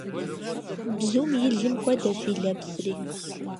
Бзум и лым хуэдэщ и лэпсри.